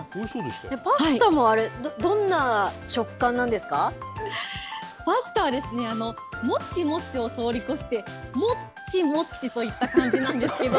パスタもあれ、どんな食感なパスタはですね、もちもちを通り越して、もっちもっちといった感じなんですけど。